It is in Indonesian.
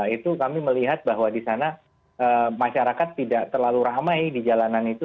itu kami melihat bahwa di sana masyarakat tidak terlalu ramai di jalanan itu